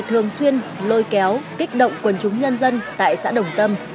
thường xuyên lôi kéo kích động quần chúng nhân dân tại xã đồng tâm